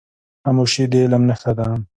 خاموشي، د علم نښه ده.